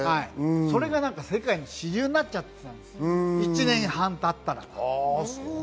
それが世界の主流になっています、１年半経ったら。